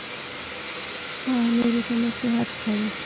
هغه نورو ته نصیحت کاوه.